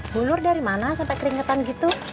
bulur dari mana sampai keringetan gitu